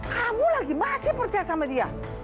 kamu lagi masih percaya sama dia